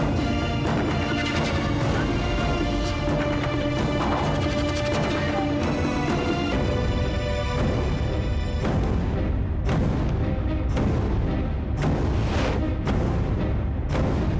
maksudnya memang mereka benar benar